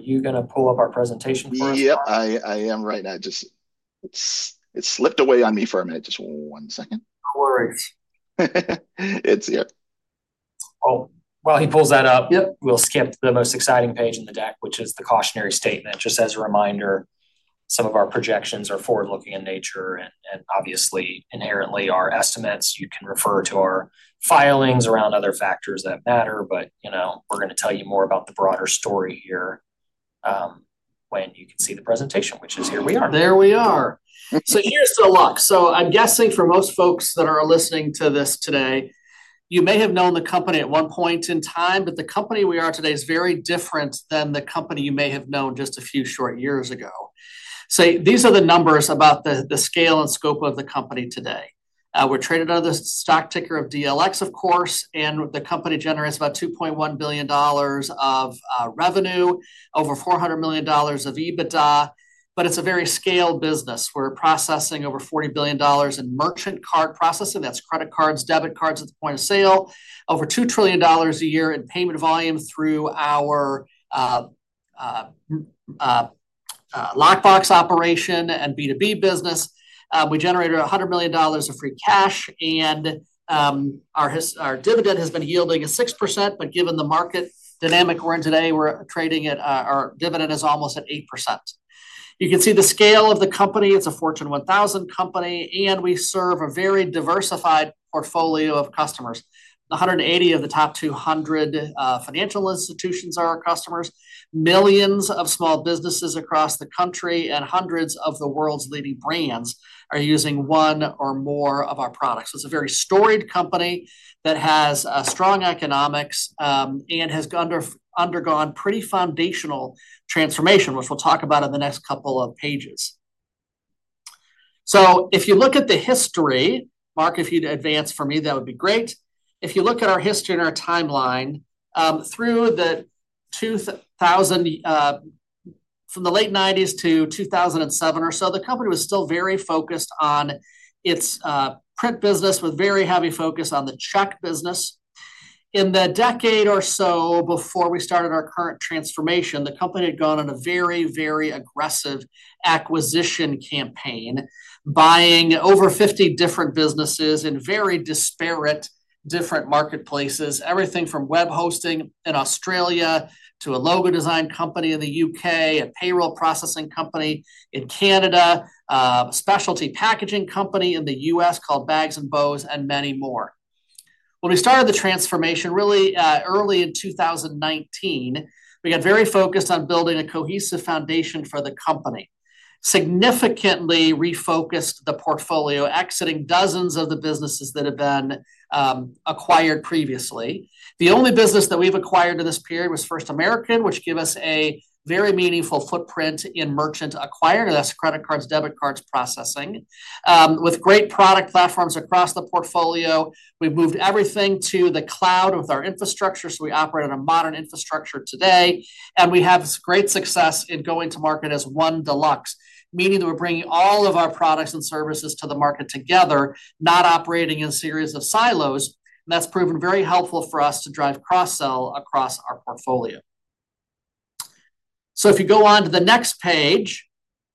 Are you going to pull up our presentation for us? Yep, I am right now. It slipped away on me for a minute. Just one second. No worries. It's here. While he pulls that up, we'll skip the most exciting page in the deck, which is the cautionary statement. Just as a reminder, some of our projections are forward-looking in nature and obviously inherently our estimates. You can refer to our filings around other factors that matter, but we're going to tell you more about the broader story here when you can see the presentation, which is here we are. There we are. Here's the look. I'm guessing for most folks that are listening to this today, you may have known the company at one point in time, but the company we are today is very different than the company you may have known just a few short years ago. These are the numbers about the scale and scope of the company today. We're traded under the stock ticker of DLX, of course, and the company generates about $2.1 billion of revenue, over $400 million of EBITDA, but it's a very scaled business. We're processing over $40 billion in merchant card processing. That's credit cards, debit cards at the point of sale, over $2 trillion a year in payment volume through our lockbox operation and B2B business. We generated $100 million of free cash, and our dividend has been yielding a 6%, but given the market dynamic we're in today, we're trading at our dividend is almost at 8%. You can see the scale of the company. It's a Fortune 1000 company, and we serve a very diversified portfolio of customers. 180 of the top 200 financial institutions are our customers. Millions of small businesses across the country and hundreds of the world's leading brands are using one or more of our products. It's a very storied company that has strong economics and has undergone pretty foundational transformation, which we'll talk about in the next couple of pages. If you look at the history, Marc, if you'd advance for me, that would be great. If you look at our history and our timeline through 2000, from the late '90s to 2007 or so, the company was still very focused on its print business with very heavy focus on the check business. In the decade or so before we started our current transformation, the company had gone on a very, very aggressive acquisition campaign, buying over 50 different businesses in very disparate different marketplaces, everything from web hosting in Australia to a logo design company in the UK, a payroll processing company in Canada, a specialty packaging company in the U.S. called Bags & Bows, and many more. When we started the transformation, really early in 2019, we got very focused on building a cohesive foundation for the company, significantly refocused the portfolio, exiting dozens of the businesses that had been acquired previously. The only business that we've acquired in this period was First American, which gave us a very meaningful footprint in merchant acquiring, and that's credit cards, debit cards processing. With great product platforms across the portfolio, we've moved everything to the cloud with our infrastructure, so we operate on a modern infrastructure today, and we have great success in going to market as One Deluxe, meaning that we're bringing all of our products and services to the market together, not operating in a series of silos, and that's proven very helpful for us to drive cross-sell across our portfolio. If you go on to the next page,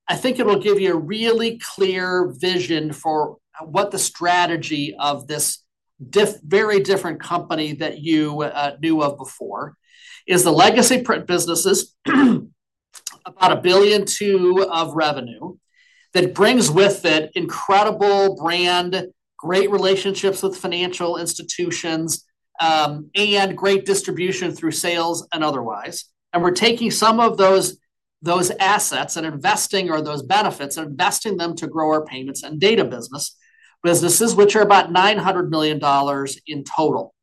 I think it will give you a really clear vision for what the strategy of this very different company that you knew of before is. The legacy print business is about $1.2 billion of revenue that brings with it incredible brand, great relationships with financial institutions, and great distribution through sales and otherwise. We are taking some of those assets and investing, or those benefits, and investing them to grow our payments and data businesses, which are about $900 million in total.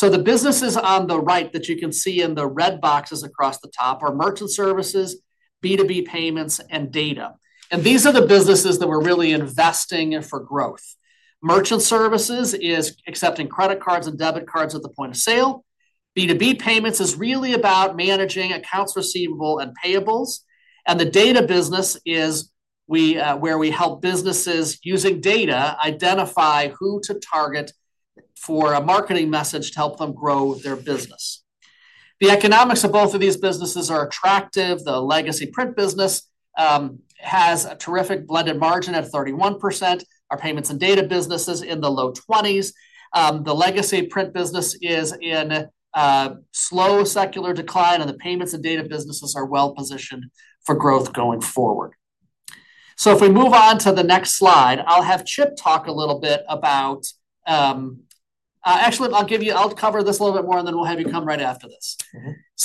The businesses on the right that you can see in the red boxes across the top are Merchant Services, B2B Payments, and Data. These are the businesses that we are really investing for growth. Merchant Services is accepting credit cards and debit cards at the point of sale. B2B Payments is really about managing accounts receivable and payables. The data business is where we help businesses using data identify who to target for a marketing message to help them grow their business. The economics of both of these businesses are attractive. The legacy print business has a terrific blended margin at 31%. Our payments and data businesses are in the low 20%. The legacy print business is in slow secular decline, and the payments and data businesses are well positioned for growth going forward. If we move on to the next slide, I'll have Chip talk a little bit about—actually, I'll cover this a little bit more, and then we'll have you come right after this.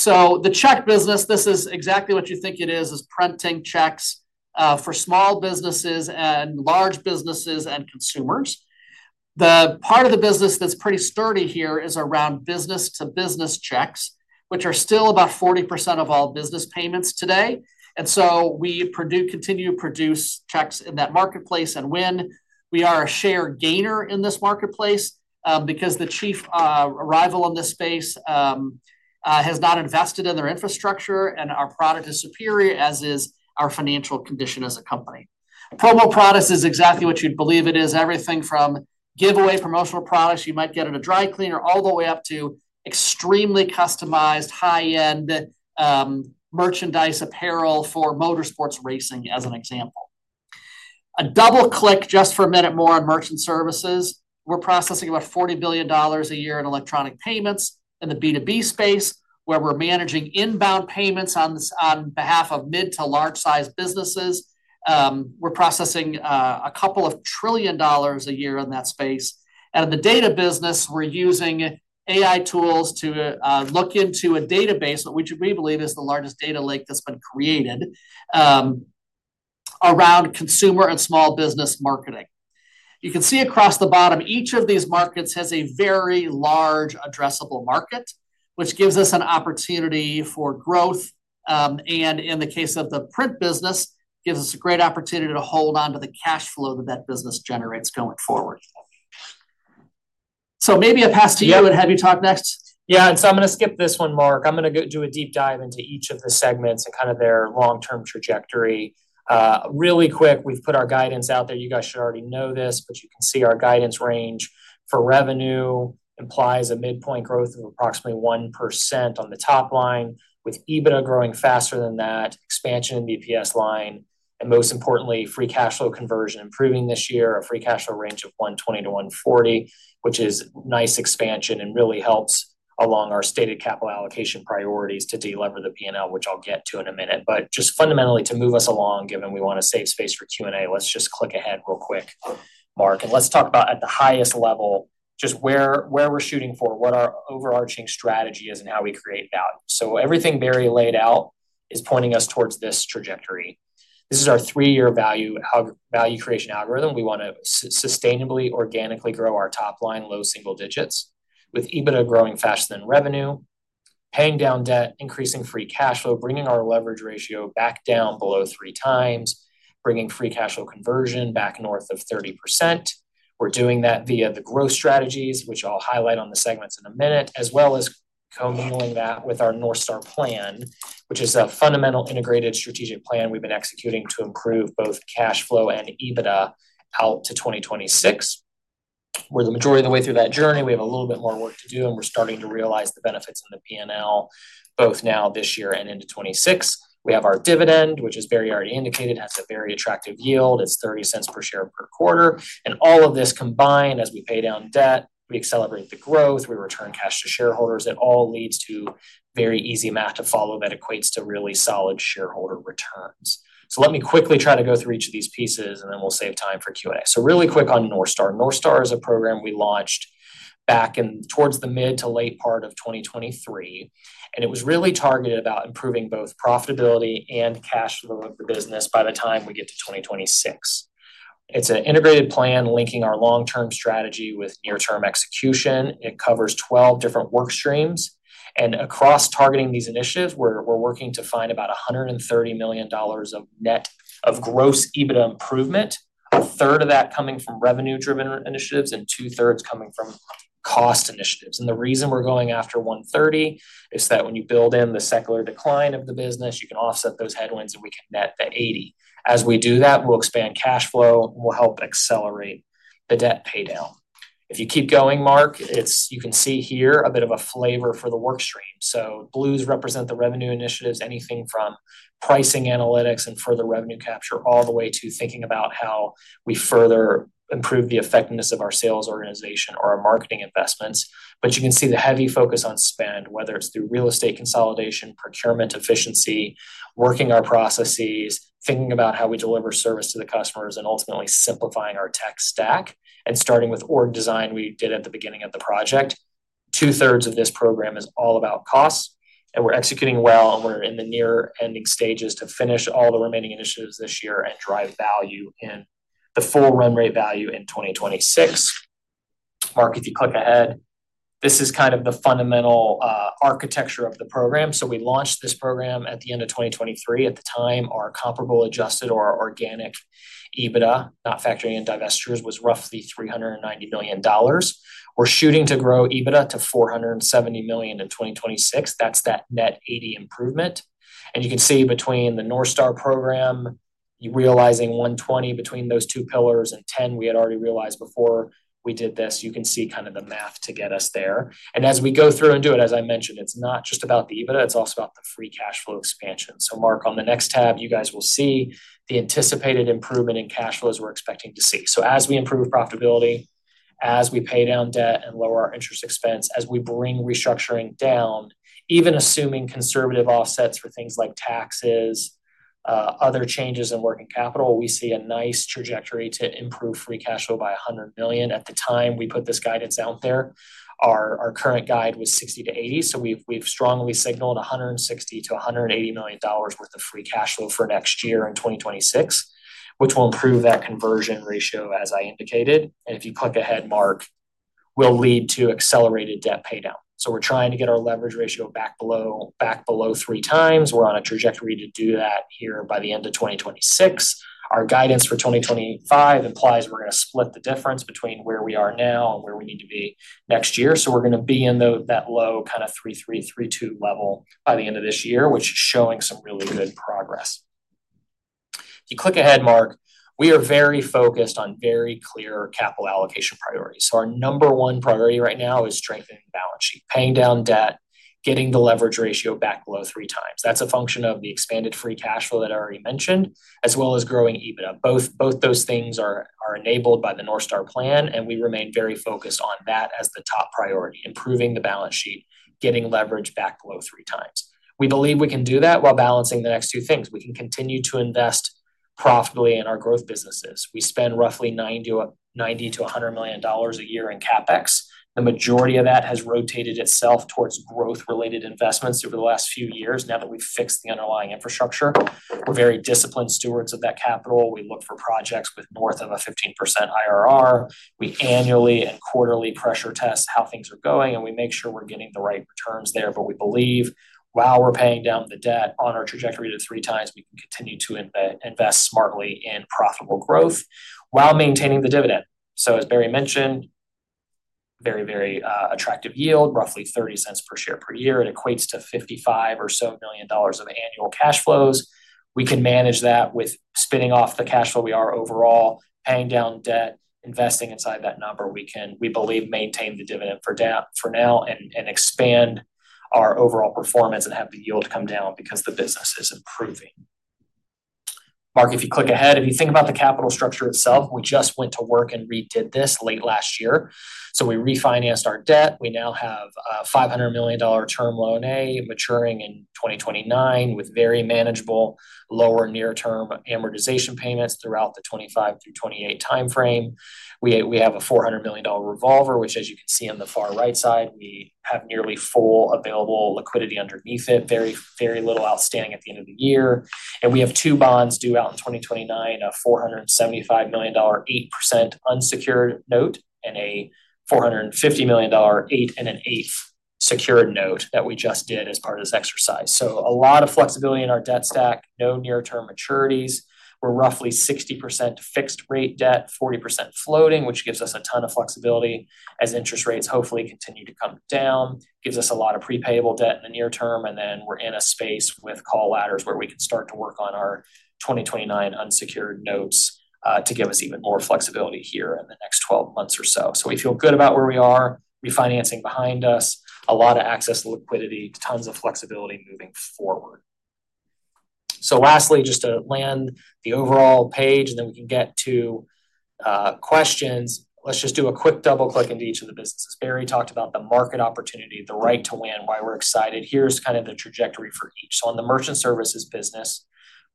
The check business, this is exactly what you think it is, is printing checks for small businesses and large businesses and consumers. The part of the business that's pretty sturdy here is around business-to-business checks, which are still about 40% of all business payments today. We continue to produce checks in that marketplace and win. We are a share gainer in this marketplace because the chief rival in this space has not invested in their infrastructure, and our product is superior, as is our financial condition as a company. Promo products is exactly what you'd believe it is. Everything from giveaway promotional products you might get at a dry cleaner all the way up to extremely customized high-end merchandise apparel for motorsports racing, as an example. A double click just for a minute more on Merchant Services. We're processing about $40 billion a year in electronic payments in the B2B space, where we're managing inbound payments on behalf of mid to large-sized businesses. We're processing a couple of trillion dollars a year in that space. In the data business, we're using AI tools to look into a database which we believe is the largest data lake that's been created around consumer and small business marketing. You can see across the bottom, each of these markets has a very large addressable market, which gives us an opportunity for growth. In the case of the print business, it gives us a great opportunity to hold on to the cash flow that that business generates going forward. Maybe I'll pass to you and have you talk next. Yeah. I'm going to skip this one, Marc. I'm going to do a deep dive into each of the segments and kind of their long-term trajectory. Really quick, we've put our guidance out there. You guys should already know this, but you can see our guidance range for revenue implies a midpoint growth of approximately 1% on the top line, with EBITDA growing faster than that, expansion in the EPS line, and most importantly, free cash flow conversion improving this year, a free cash flow range of $120-$140, which is nice expansion and really helps along our stated capital allocation priorities to deliver the P&L, which I'll get to in a minute. Just fundamentally, to move us along, given we want to save space for Q&A, let's just click ahead real quick, Marc. Let's talk about at the highest level, just where we're shooting for, what our overarching strategy is, and how we create value. Everything Barry laid out is pointing us towards this trajectory. This is our three-year value creation algorithm. We want to sustainably, organically grow our top line, low single digits, with EBITDA growing faster than revenue, paying down debt, increasing free cash flow, bringing our leverage ratio back down below three times, bringing free cash flow conversion back north of 30%. We're doing that via the growth strategies, which I'll highlight on the segments in a minute, as well as co-mingling that with our North Star Plan, which is a fundamental integrated strategic plan we've been executing to improve both cash flow and EBITDA out to 2026. We're the majority of the way through that journey. We have a little bit more work to do, and we're starting to realize the benefits in the P&L, both now, this year, and into 2026. We have our dividend, which, as Barry already indicated, has a very attractive yield. It's $0.30 per share per quarter. All of this combined, as we pay down debt, we accelerate the growth, we return cash to shareholders. It all leads to very easy math to follow that equates to really solid shareholder returns. Let me quickly try to go through each of these pieces, and then we'll save time for Q&A. Really quick on North Star. North Star is a program we launched back in towards the mid to late part of 2023, and it was really targeted about improving both profitability and cash flow of the business by the time we get to 2026. It's an integrated plan linking our long-term strategy with near-term execution. It covers 12 different work streams. Across targeting these initiatives, we're working to find about $130 million of gross EBITDA improvement, a third of that coming from revenue-driven initiatives and two-thirds coming from cost initiatives. The reason we're going after 130 is that when you build in the secular decline of the business, you can offset those headwinds and we can net to 80. As we do that, we'll expand cash flow and we'll help accelerate the debt paydown. If you keep going, Marc, you can see here a bit of a flavor for the work stream. Blues represent the revenue initiatives, anything from pricing analytics and further revenue capture all the way to thinking about how we further improve the effectiveness of our sales organization or our marketing investments. You can see the heavy focus on spend, whether it's through real estate consolidation, procurement efficiency, working our processes, thinking about how we deliver service to the customers, and ultimately simplifying our tech stack and starting with org design we did at the beginning of the project. Two-thirds of this program is all about costs, and we're executing well, and we're in the near ending stages to finish all the remaining initiatives this year and drive value in the full run rate value in 2026. Marc, if you click ahead, this is kind of the fundamental architecture of the program. We launched this program at the end of 2023. At the time, our comparable adjusted or organic EBITDA, not factoring in divestitures, was roughly $390 million. We're shooting to grow EBITDA to $470 million in 2026. That's that net 80 improvement. You can see between the North Star program, you realizing 120 between those two pillars and 10 we had already realized before we did this. You can see kind of the math to get us there. As we go through and do it, as I mentioned, it's not just about the EBITDA. It's also about the free cash flow expansion. Marc, on the next tab, you guys will see the anticipated improvement in cash flow as we're expecting to see. As we improve profitability, as we pay down debt and lower our interest expense, as we bring restructuring down, even assuming conservative offsets for things like taxes, other changes in working capital, we see a nice trajectory to improve free cash flow by $100 million. At the time we put this guidance out there, our current guide was $60 million-$80 million. We've strongly signaled $160 million-$180 million worth of free cash flow for next year in 2026, which will improve that conversion ratio, as I indicated. If you click ahead, Marc, it will lead to accelerated debt paydown. We're trying to get our leverage ratio back below three times. We're on a trajectory to do that here by the end of 2026. Our guidance for 2025 implies we're going to split the difference between where we are now and where we need to be next year. We're going to be in that low kind of 3.3, 3.2 level by the end of this year, which is showing some really good progress. If you click ahead, Marc, we are very focused on very clear capital allocation priorities. Our number one priority right now is strengthening the balance sheet, paying down debt, getting the leverage ratio back below three times. That's a function of the expanded free cash flow that I already mentioned, as well as growing EBITDA. Both those things are enabled by the North Star Plan, and we remain very focused on that as the top priority, improving the balance sheet, getting leverage back below three times. We believe we can do that while balancing the next two things. We can continue to invest profitably in our growth businesses. We spend roughly $90 million-$100 million a year in CapEx. The majority of that has rotated itself towards growth-related investments over the last few years now that we have fixed the underlying infrastructure. We are very disciplined stewards of that capital. We look for projects with north of a 15% IRR. We annually and quarterly pressure test how things are going, and we make sure we are getting the right returns there. We believe while we are paying down the debt on our trajectory to three times, we can continue to invest smartly in profitable growth while maintaining the dividend. As Barry mentioned, very, very attractive yield, roughly $0.30 per share per year. It equates to $55 million or so of annual cash flows. We can manage that with spinning off the cash flow we are overall, paying down debt, investing inside that number. We believe maintain the dividend for now and expand our overall performance and have the yield come down because the business is improving. Marc, if you click ahead, if you think about the capital structure itself, we just went to work and redid this late last year. We refinanced our debt. We now have a $500 million Term Loan A maturing in 2029 with very manageable lower near-term amortization payments throughout the 2025-2028 timeframe. We have a $400 million revolver, which, as you can see on the far right side, we have nearly full available liquidity underneath it, very little outstanding at the end of the year. We have two bonds due out in 2029, a $475 million 8% unsecured note, and a $450 million eight and an eighth secured note that we just did as part of this exercise. A lot of flexibility in our debt stack, no near-term maturities. We're roughly 60% fixed rate debt, 40% floating, which gives us a ton of flexibility as interest rates hopefully continue to come down. It gives us a lot of prepayable debt in the near term, and then we're in a space with call ladders where we can start to work on our 2029 unsecured notes to give us even more flexibility here in the next 12 months or so. We feel good about where we are, refinancing behind us, a lot of access to liquidity, tons of flexibility moving forward. Lastly, just to land the overall page, and then we can get to questions. Let's just do a quick double click into each of the businesses. Barry talked about the market opportunity, the right to win, why we're excited. Here's kind of the trajectory for each. On the Merchant Services business,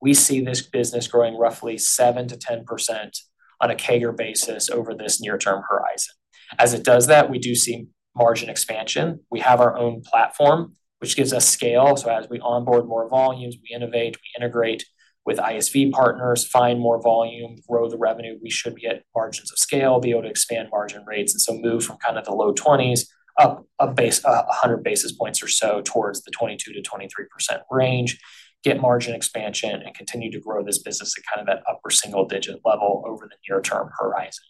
we see this business growing roughly 7%-10% on a CAGR basis over this near-term horizon. As it does that, we do see margin expansion. We have our own platform, which gives us scale. As we onboard more volumes, we innovate, we integrate with ISV partners, find more volume, grow the revenue. We should get margins of scale, be able to expand margin rates, and move from kind of the low 20s up a hundred basis points or so towards the 22%-23% range, get margin expansion, and continue to grow this business at kind of that upper single digit level over the near-term horizon.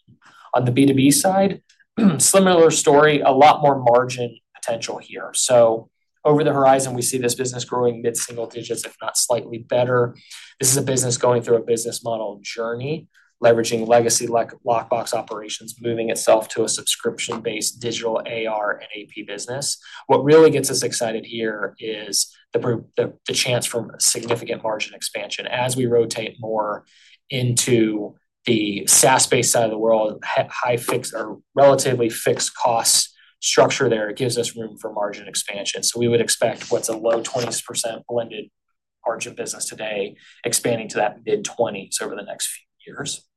On the B2B side, similar story, a lot more margin potential here. Over the horizon, we see this business growing mid-single digits, if not slightly better. This is a business going through a business model journey, leveraging legacy lockbox operations, moving itself to a subscription-based digital AR and AP business. What really gets us excited here is the chance for significant margin expansion. As we rotate more into the SaaS-based side of the world, high fixed or relatively fixed cost structure there, it gives us room for margin expansion. We would expect what's a low 20% blended margin business today expanding to that mid-20s over the next few years.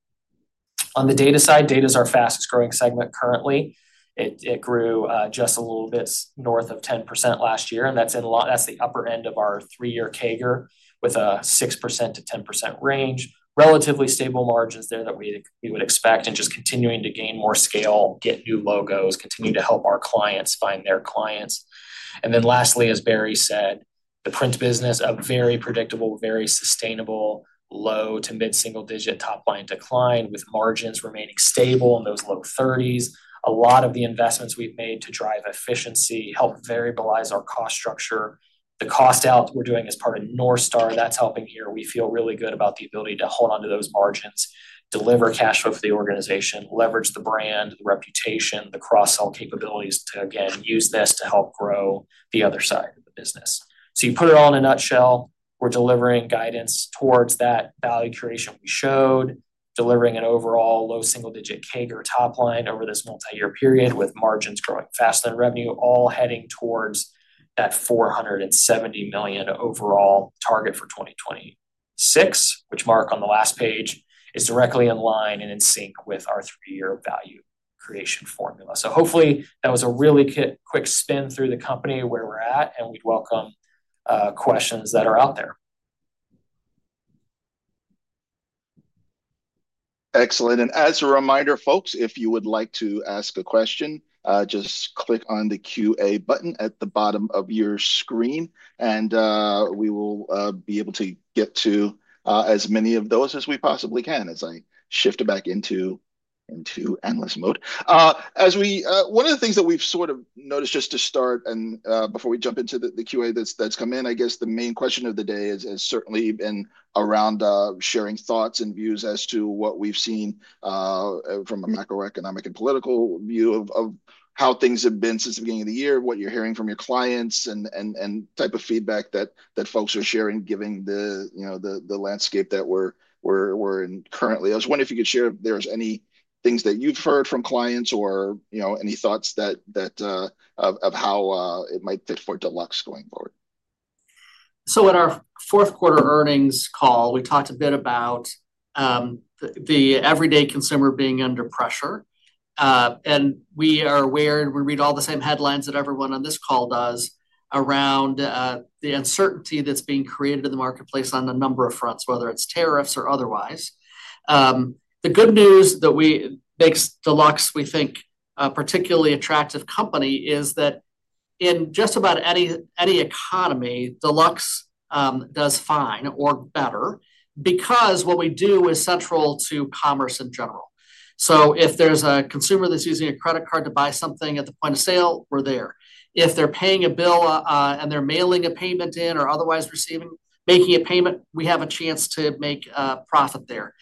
On the data side, data is our fastest growing segment currently. It grew just a little bit north of 10% last year, and that's the upper end of our three-year CAGR with a 6%-10% range, relatively stable margins there that we would expect, and just continuing to gain more scale, get new logos, continue to help our clients find their clients. Lastly, as Barry said, the print business, a very predictable, very sustainable low to mid-single digit top line decline with margins remaining stable in those low 30s. A lot of the investments we've made to drive efficiency help variabilize our cost structure. The cost out we're doing as part of North Star, that's helping here. We feel really good about the ability to hold on to those margins, deliver cash flow for the organization, leverage the brand, the reputation, the cross-sell capabilities to, again, use this to help grow the other side of the business. You put it all in a nutshell, we're delivering guidance towards that value creation we showed, delivering an overall low single digit CAGR top line over this multi-year period with margins growing faster than revenue, all heading towards that $470 million overall target for 2026, which, Marc, on the last page is directly in line and in sync with our three-year value creation formula. Hopefully that was a really quick spin through the company where we're at, and we'd welcome questions that are out there. Excellent. As a reminder, folks, if you would like to ask a question, just click on the QA button at the bottom of your screen, and we will be able to get to as many of those as we possibly can as I shift it back into analyst mode. One of the things that we've sort of noticed just to start and before we jump into the QA that's come in, I guess the main question of the day has certainly been around sharing thoughts and views as to what we've seen from a macroeconomic and political view of how things have been since the beginning of the year, what you're hearing from your clients, and type of feedback that folks are sharing, given the landscape that we're in currently. I was wondering if you could share if there's any things that you've heard from clients or any thoughts of how it might fit for Deluxe going forward. At our fourth quarter earnings call, we talked a bit about the everyday consumer being under pressure. We are aware, and we read all the same headlines that everyone on this call does around the uncertainty that's being created in the marketplace on a number of fronts, whether it's tariffs or otherwise. The good news that makes Deluxe, we think, a particularly attractive company is that in just about any economy, Deluxe does fine or better because what we do is central to commerce in general. If there's a consumer that's using a credit card to buy something at the point of sale, we're there. If they're paying a bill and they're mailing a payment in or otherwise making a payment, we have a chance to make profit there.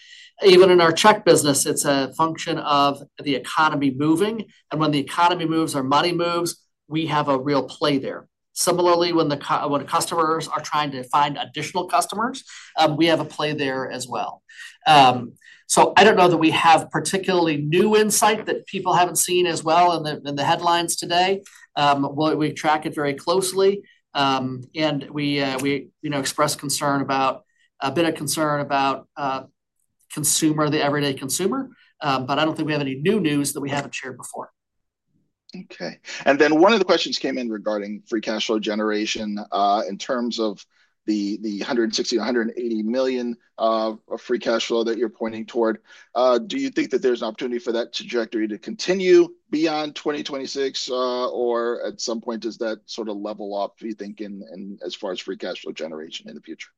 Even in our check business, it's a function of the economy moving. When the economy moves or money moves, we have a real play there. Similarly, when customers are trying to find additional customers, we have a play there as well. I don't know that we have particularly new insight that people haven't seen as well in the headlines today. We track it very closely, and we express concern about a bit of concern about the everyday consumer. I don't think we have any new news that we haven't shared before. Okay. One of the questions came in regarding free cash flow generation in terms of the $160 million-$180 million of free cash flow that you're pointing toward. Do you think that there's an opportunity for that trajectory to continue beyond 2026, or at some point does that sort of level off, do you think, as far as free cash flow generation in the future?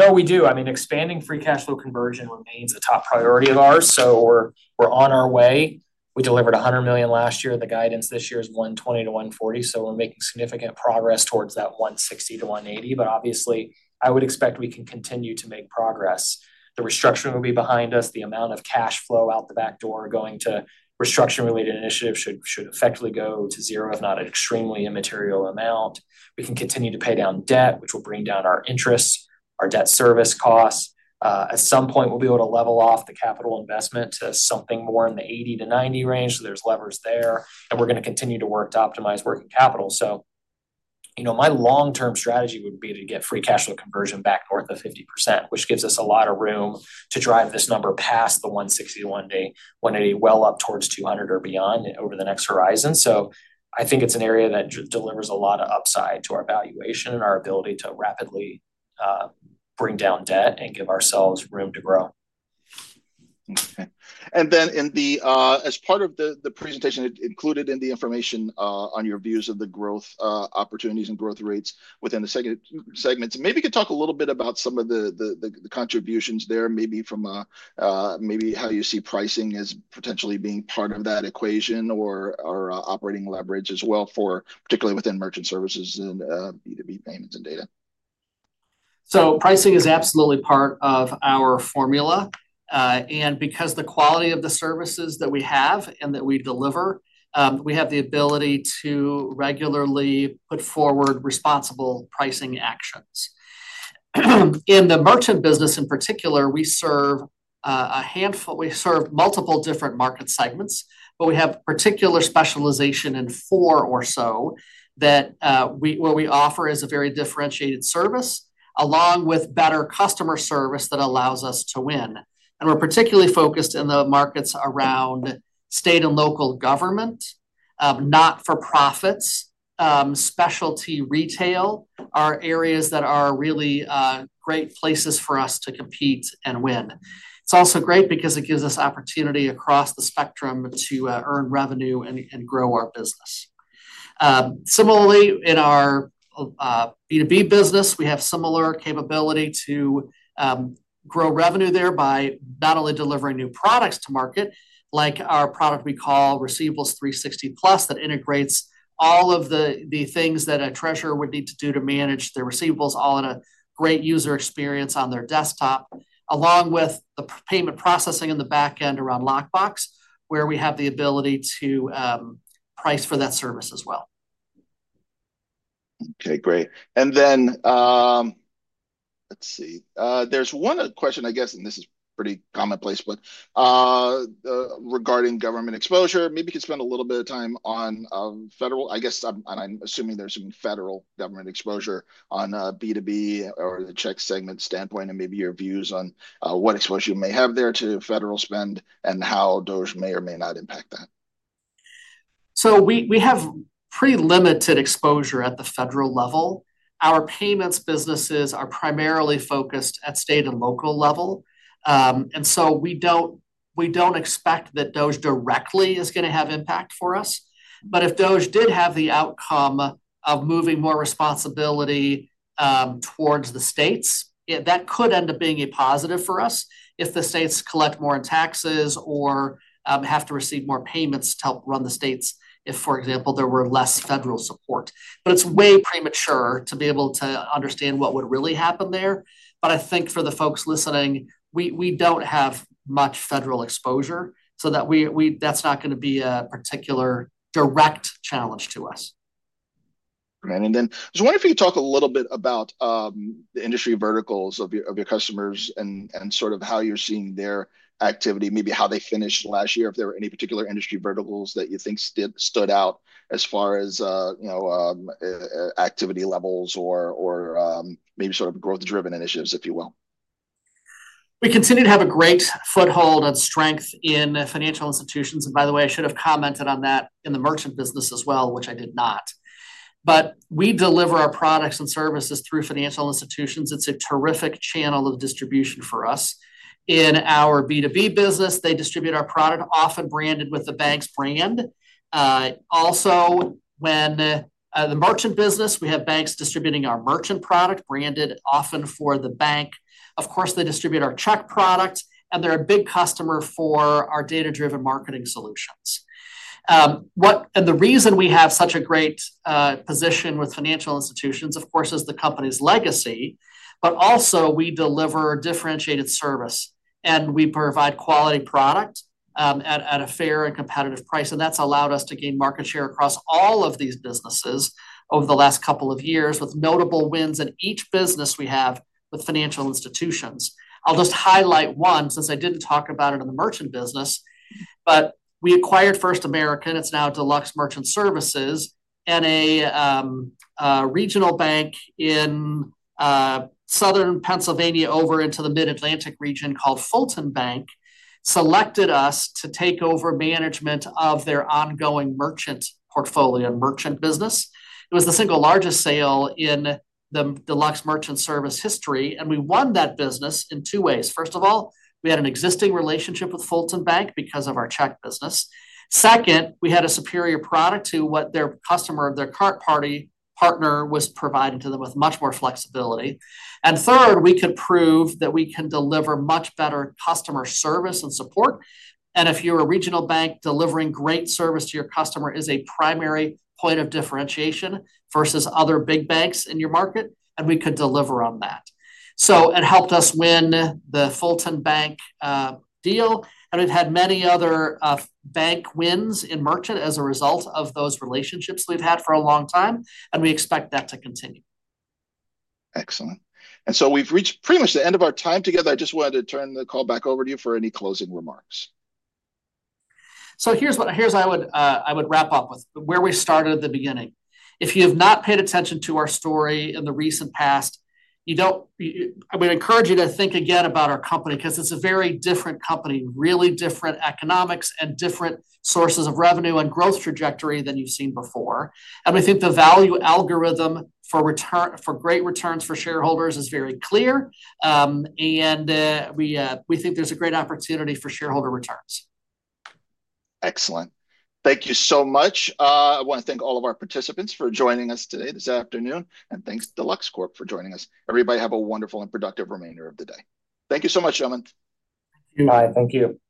No, we do. I mean, expanding free cash flow conversion remains a top priority of ours. We are on our way. We delivered $100 million last year. The guidance this year is $120 million-$140 million. We are making significant progress towards that $160 million-$180 million. I would expect we can continue to make progress. The restructuring will be behind us. The amount of cash flow out the back door going to restructuring-related initiatives should effectively go to zero, if not an extremely immaterial amount. We can continue to pay down debt, which will bring down our interest, our debt service costs. At some point, we'll be able to level off the capital investment to something more in the $80-$90 range. There are levers there. We're going to continue to work to optimize working capital. My long-term strategy would be to get free cash flow conversion back north of 50%, which gives us a lot of room to drive this number past the $160-$180, well up towards $200 or beyond over the next horizon. I think it's an area that delivers a lot of upside to our valuation and our ability to rapidly bring down debt and give ourselves room to grow. Okay. As part of the presentation included in the information on your views of the growth opportunities and growth rates within the segments, maybe you could talk a little bit about some of the contributions there, maybe how you see pricing as potentially being part of that equation or operating leverage as well, particularly within Merchant Services and B2B Payments and Data. Pricing is absolutely part of our formula. Because of the quality of the services that we have and that we deliver, we have the ability to regularly put forward responsible pricing actions. In the merchant business in particular, we serve multiple different market segments, but we have particular specialization in four or so that what we offer is a very differentiated service along with better customer service that allows us to win. We are particularly focused in the markets around state and local government, not-for-profits, specialty retail are areas that are really great places for us to compete and win. It is also great because it gives us opportunity across the spectrum to earn revenue and grow our business. Similarly, in our B2B business, we have similar capability to grow revenue there by not only delivering new products to market, like our product we call Receivables360 Plus that integrates all of the things that a treasurer would need to do to manage their receivables all in a great user experience on their desktop, along with the payment processing in the back end around lockbox, where we have the ability to price for that service as well. Okay, great. Let us see. There's one question, I guess, and this is pretty commonplace, but regarding government exposure, maybe you could spend a little bit of time on federal, I guess, and I'm assuming there's some federal government exposure on B2B or the check segment standpoint, and maybe your views on what exposure you may have there to federal spend and how those may or may not impact that. We have pretty limited exposure at the federal level. Our payments businesses are primarily focused at state and local level. We don't expect that those directly are going to have impact for us. If those did have the outcome of moving more responsibility towards the states, that could end up being a positive for us if the states collect more in taxes or have to receive more payments to help run the states if, for example, there were less federal support. It's way premature to be able to understand what would really happen there. I think for the folks listening, we don't have much federal exposure, so that's not going to be a particular direct challenge to us. Right. I was wondering if you could talk a little bit about the industry verticals of your customers and sort of how you're seeing their activity, maybe how they finished last year, if there were any particular industry verticals that you think stood out as far as activity levels or maybe sort of growth-driven initiatives, if you will. We continue to have a great foothold and strength in financial institutions. By the way, I should have commented on that in the merchant business as well, which I did not. We deliver our products and services through financial institutions. It's a terrific channel of distribution for us. In our B2B business, they distribute our product often branded with the bank's brand. Also, in the merchant business, we have banks distributing our merchant product branded often for the bank. Of course, they distribute our check products, and they're a big customer for our data-driven marketing solutions. The reason we have such a great position with financial institutions, of course, is the company's legacy, but also we deliver differentiated service, and we provide quality product at a fair and competitive price. That has allowed us to gain market share across all of these businesses over the last couple of years with notable wins in each business we have with financial institutions. I'll just highlight one since I didn't talk about it in the merchant business, but we acquired First American. It's now Deluxe Merchant Services. A regional bank in southern Pennsylvania over into the Mid-Atlantic region called Fulton Bank selected us to take over management of their ongoing merchant portfolio and merchant business. It was the single largest sale in the Deluxe Merchant Services history, and we won that business in two ways. First of all, we had an existing relationship with Fulton Bank because of our check business. Second, we had a superior product to what their customer, their partner was providing to them with much more flexibility. Third, we could prove that we can deliver much better customer service and support. If you're a regional bank, delivering great service to your customer is a primary point of differentiation versus other big banks in your market, and we could deliver on that. It helped us win the Fulton Bank deal, and we've had many other bank wins in merchant as a result of those relationships we've had for a long time, and we expect that to continue. Excellent. We've reached pretty much the end of our time together. I just wanted to turn the call back over to you for any closing remarks. Here's what I would wrap up with, where we started at the beginning. If you have not paid attention to our story in the recent past, I would encourage you to think again about our company because it's a very different company, really different economics and different sources of revenue and growth trajectory than you've seen before. We think the value algorithm for great returns for shareholders is very clear, and we think there's a great opportunity for shareholder returns. Excellent. Thank you so much. I want to thank all of our participants for joining us today, this afternoon, and thanks to Deluxe Corporation for joining us. Everybody have a wonderful and productive remainder of the day. Thank you so much, Edmund. Thank you.